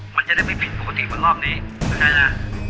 มันจะได้ไม่ผิดปกติกว่ารอบนี้น่าได้ล่ะ